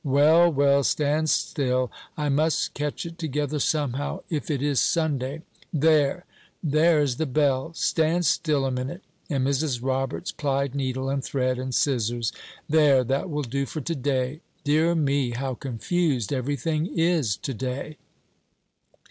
"Well, well, stand still; I must catch it together somehow, if it is Sunday. There! there is the bell! Stand still a minute!" and Mrs. Roberts plied needle, and thread, and scissors; "there, that will do for to day. Dear me, how confused every thing is to day!"